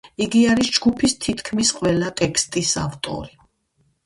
იგი არის ჯგუფის თითქმის ყველა ტექსტის ავტორი.